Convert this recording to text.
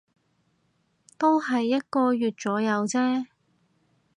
都係一個月左右啫